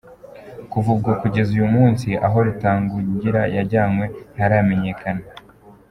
Kuva ubwo kugeza uyu munsi, aho Rutagungira yajyanwe ntiharamenyekana.